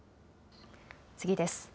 次です。